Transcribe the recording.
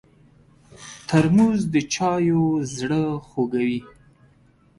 ترموز د چایو زړه خوږوي.